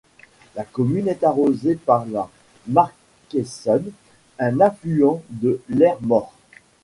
La commune est arrosée par la Marcaissonne un affluent de l'Hers-Mort.